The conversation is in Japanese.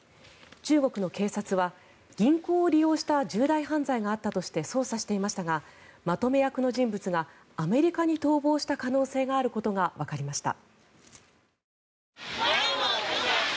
中国の警察は、銀行を利用した重大犯罪があったとして捜査していましたがまとめ役の人物がアメリカに逃亡した可能性があることがわかりました。